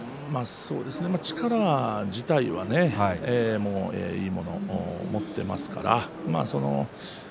力自体はねいいものを持っていますから。